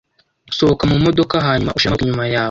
Sohoka mumodoka hanyuma ushire amaboko inyuma yawe.